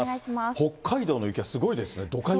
北海道の雪はすごいですね、どか雪。